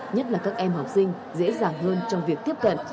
nhất là các em học sinh dễ dàng hơn trong việc tiếp cận